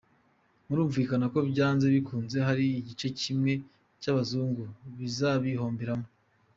Birumvikana ko byanze bikunze hari igice kimwe cy’abazungura kizabihomberamo.